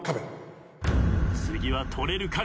次は取れるか？